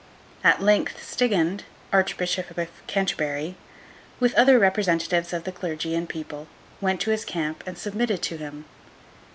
At length Stigand, Archbishop of Canterbury, with other representatives of the clergy and the people, went to his camp, and submitted to him.